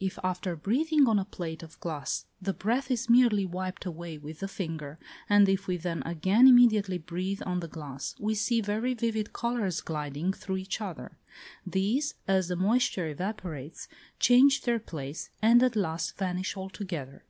If after breathing on a plate of glass, the breath is merely wiped away with the finger, and if we then again immediately breathe on the glass, we see very vivid colours gliding through each other; these, as the moisture evaporates, change their place, and at last vanish altogether.